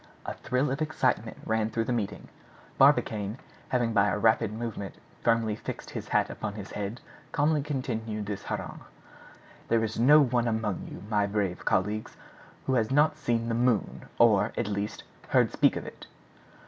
A thrill of excitement ran through the meeting. Barbicane, having by a rapid movement firmly fixed his hat upon his head, calmly continued his harangue: "There is no one among you, my brave colleagues, who has not seen the Moon, or, at least, heard speak of it.